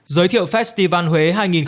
giới thiệu festival huế hai nghìn hai mươi bốn